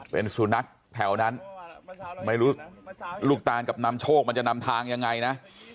เป็นสุนัขแถวนั้นไม่รู้ลูกตานกับนำโชคมันจะนำทางยังไงนะ